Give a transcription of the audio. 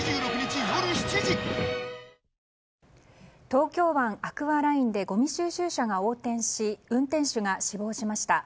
東京湾アクアラインでごみ収集車が横転し運転手が死亡しました。